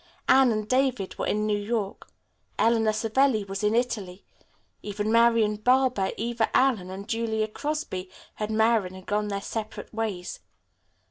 Anne and David were in New York. Eleanor Savelli was in Italy. Even Marian Barber, Eva Allen and Julia Crosby had married and gone their separate ways.